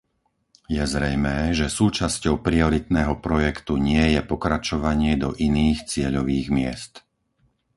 Je zrejmé, že súčasťou prioritného projektu nie je pokračovanie do iných cieľových miest.